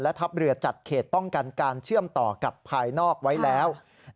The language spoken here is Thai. ทัพเรือจัดเขตป้องกันการเชื่อมต่อกับภายนอกไว้แล้ว